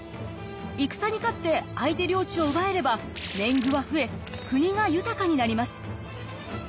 戦に勝って相手領地を奪えれば年貢は増え国が豊かになります。